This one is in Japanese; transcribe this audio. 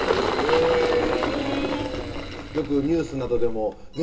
えぇよくニュースなどでもね